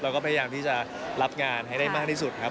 แล้วก็พยายามที่จะรับงานให้ได้มากที่สุดครับ